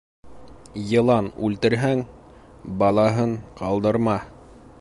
Йылан үлтерһәң, балаһын ҡалдырма.